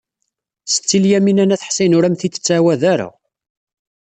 Setti Lyamina n At Ḥsayen ur am-t-id-tettɛawad ara.